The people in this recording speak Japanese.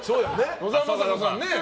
野沢雅子さんね。